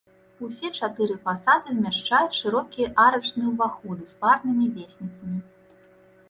Усе чатыры фасады змяшчаюць шырокія арачныя ўваходы з парнымі весніцамі.